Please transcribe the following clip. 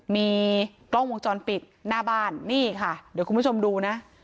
มีกล้องวงจรปิดหน้าบ้านนี่ค่ะเดี๋ยวคุณผู้ชมดูนะ